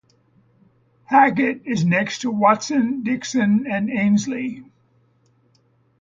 Hackett is next to Watson, Dickson and Ainslie.